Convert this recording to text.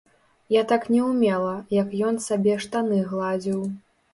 Я так не ўмела, як ён сабе штаны гладзіў.